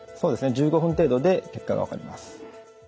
１５分程度で結果が分かります。